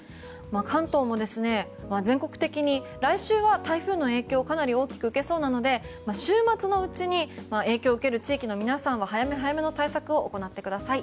関東も全国的に来週は台風の影響をかなり大きく受けそうなので週末のうちに影響を受ける地域の方は早め早めの対策を行ってください。